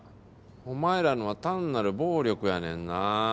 お前らのは単なる暴力やねんな。